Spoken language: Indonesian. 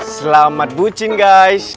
selamat bucin guys